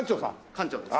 館長です。